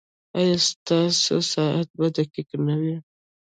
ایا ستاسو ساعت به دقیق نه وي؟